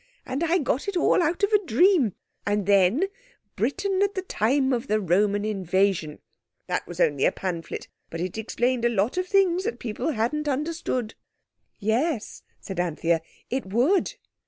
And I got it all out of a dream! And then, 'Britain at the Time of the Roman Invasion'—that was only a pamphlet, but it explained a lot of things people hadn't understood." "Yes," said Anthea, "it would."